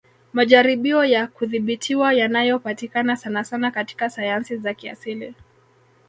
Majaribio ya kudhibitiwa yanayopatikana sanasana katika sayansi za kiasili